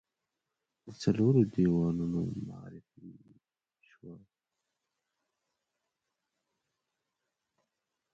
د څلورو دیوانونو معرفي شوه.